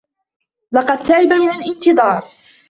لقد تعب من الانتظار.